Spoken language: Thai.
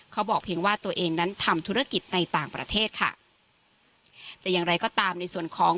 เขาบอกเพียงว่าตัวเองนั้นทำธุรกิจในต่างประเทศค่ะแต่อย่างไรก็ตามในส่วนของ